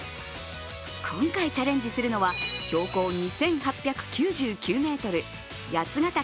今回チャレンジするのは標高２８９９ｍ八ヶ岳